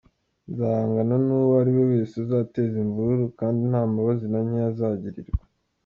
Nzahangana n’uwo ari wese uzateza imvururu, kandi nta mbabazi na nkeya azagirirwa.